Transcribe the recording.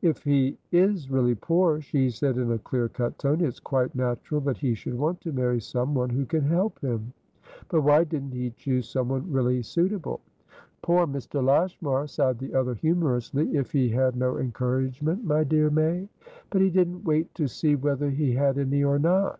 "If he is really poor," she said, in a clear cut tone, "it's quite natural that he should want to marry someone who can help him. But why didn't he choose someone really suitable?" "Poor Mr. Lashmar!" sighed the other, humorously. "If he had no encouragement, my dear May!" "But he didn't wait to see whether he had any or not!"